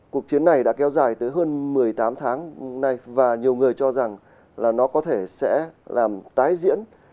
cuộc chiến này đã kéo dài tới hơn một mươi tám tháng nay và nhiều người cho rằng là nó có thể sẽ làm tái diễn